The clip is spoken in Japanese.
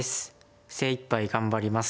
精いっぱい頑張ります。